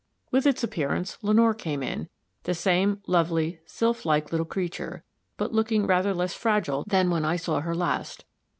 With its appearance Lenore came in, the same lovely, sylph like little creature, but looking rather less fragile than when I saw her last.